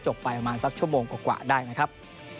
ไปประมาณสักชั่วโมงกว่าได้นะครับ